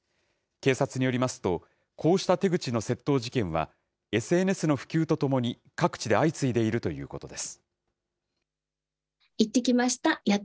警察によりますと、こうした手口の窃盗事件は、ＳＮＳの普及とともに各地で相次いでいるということです。